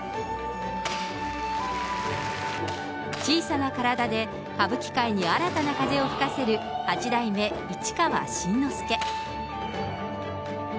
小さな体で歌舞伎界に新たな風を吹かせる八代目市川新之助。